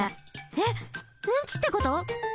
えっうんちってこと？